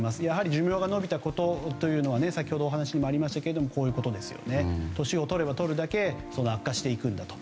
寿命が延びたことというのは先ほどお話にもありましたが年をとればとるだけ悪化していくんだと。